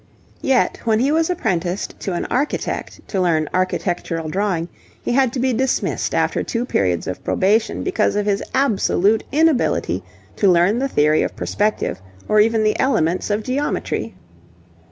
Yet, when he was apprenticed to an architect to learn architectural drawing, he had to be dismissed after two periods of probation because of his absolute inability to learn the theory of perspective or even the elements of geometry.